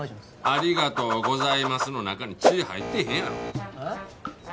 「ありがとうございます」の中に「ち」入ってへんやろ。